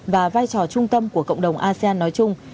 và vai trò trung tâm của cộng đồng asean nói chung